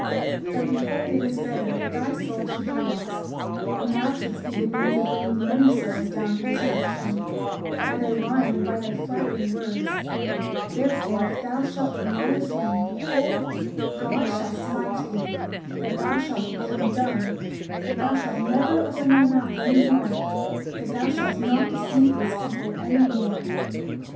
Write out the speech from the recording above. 30:47 But behold, it is better that thy soul should be lost than that thou shouldst be the means of bringing many souls down to destruction, by thy lying and by thy flattering words; therefore if thou shalt deny again, behold God shall smite thee, that thou shalt become dumb, that thou shalt never open thy mouth any more, that thou shalt not deceive this people any more.